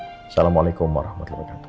assalamualaikum warahmatullahi wabarakatuh